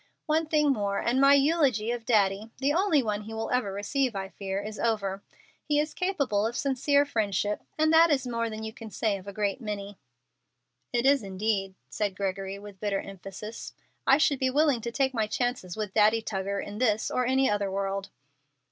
One thing more, and my eulogy of Daddy the only one he will ever receive, I fear is over. He is capable of sincere friendship, and that is more than you can say of a great many." "It is indeed," said Gregory, with bitter emphasis. "I should be willing to take my chances with Daddy Tuggar in this or any other world."